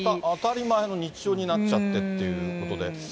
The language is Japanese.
当たり前の日常になっちゃってっていうことで。